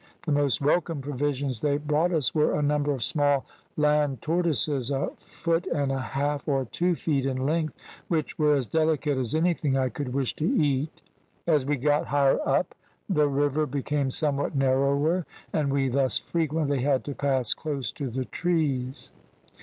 The most welcome provisions they brought us were a number of small land tortoises, a foot and a half or two feet in length, which were as delicate as anything I could wish to eat. As we got higher up, the river became somewhat narrower, and we thus frequently had to pass close to the trees.